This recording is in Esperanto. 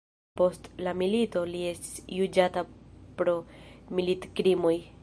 Post la milito li estis juĝata pro militkrimoj.